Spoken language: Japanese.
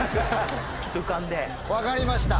分かりました。